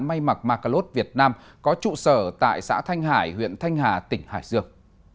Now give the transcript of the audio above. may mặc macalot việt nam có trụ sở tại xã thanh hải huyện thanh hà tỉnh hải dương